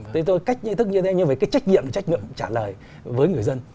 thế thôi cách thức như thế nhưng mà cái trách nhiệm trả lời với người dân